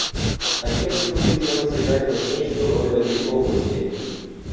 Агентство призвано сыграть важнейшую роль в этой области.